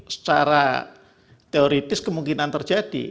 secara teoritis kemungkinan terjadi